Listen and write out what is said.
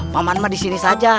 paman mah disini saja